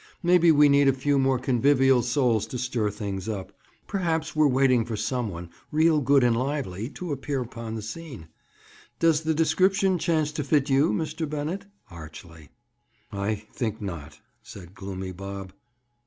"Maybe we need a few more convivial souls to stir things up. Perhaps we're waiting for some one, real good and lively, to appear upon the scene. Does the description chance to fit you, Mr. Bennett?" Archly. "I think not," said gloomy Bob.